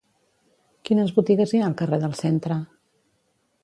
Quines botigues hi ha al carrer del Centre?